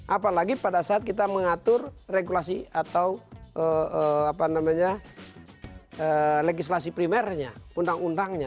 apalagi pada saat kita mengatur regulasi atau legislasi primernya undang undangnya